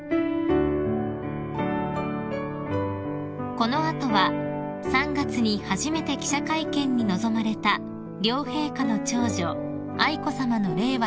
［この後は３月に初めて記者会見に臨まれた両陛下の長女愛子さまの令和